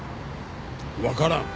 わからん。